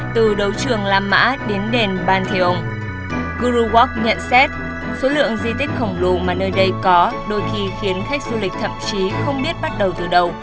từ đầu trường lam mã đến đền ban thế ông guru walk nhận xét số lượng di tích khổng lồ mà nơi đây có đôi khi khiến khách du lịch thậm chí không biết bắt đầu từ đâu